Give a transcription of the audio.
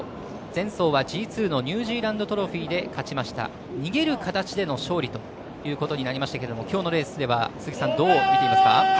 前走はＧ２のニュージーランドトロフィーで勝ちました逃げる形での勝利ということになりましたけれどもきょうのレースではどう見ていますか？